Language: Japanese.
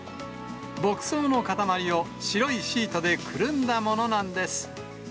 牧草の塊を白いシートでくるんだものなんです。